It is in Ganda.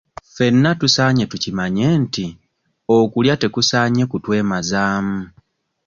Ffenna tusaanye tukimanye nti okulya tekusaanye kutwemazaamu.